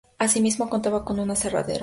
Asimismo contaba con un aserradero.